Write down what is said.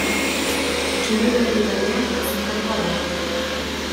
Txuri Berri taldean hazitakoa da.